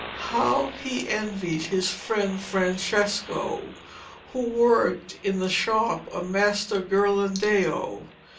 How he envied his friend Francesco who worked in the shop of Master Ghirlandaio!